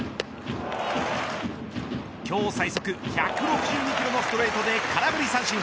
今日最速１６２キロのストレートで空振り三振。